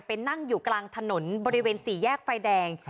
นั่งอยู่กลางถนนบริเวณสี่แยกไฟแดง